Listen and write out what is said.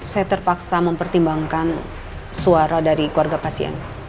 saya terpaksa mempertimbangkan suara dari keluarga pasien